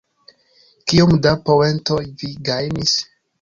Kiom da poentoj vi gajnis?